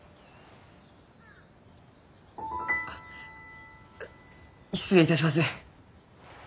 あ失礼いたします。